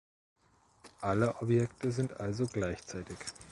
Alle Objekte sind also gleichzeitig.